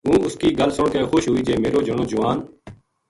ہوں اس کی گل سن کے خوش ہوئی جے میرو جنو جوان